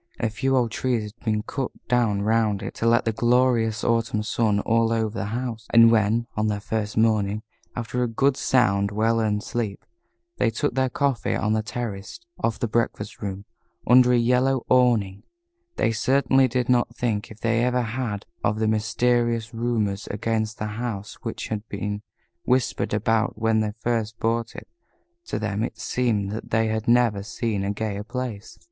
A few old trees had been cut down round it to let in the glorious autumn sun all over the house, and when, on their first morning, after a good sound, well earned sleep, they took their coffee on the terrace off the breakfast room, under a yellow awning, they certainly did not think, if they ever had, of the mysterious rumors against the house which had been whispered about when they first bought it. To them it seemed that they had never seen a gayer place.